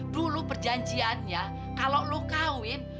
dulu perjanjiannya kalau lo kawin